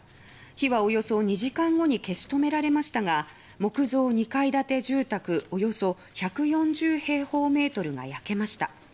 火はおよそ２時間後に消し止められましたが木造２階建て住宅およそ１４０平方メートルが焼けました。